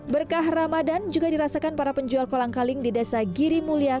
berkah ramadan juga dirasakan para penjual kolang kaling di desa giri mulia